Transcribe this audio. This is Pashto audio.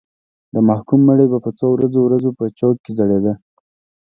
د محکوم مړی به په ورځو ورځو په چوک کې ځړېده.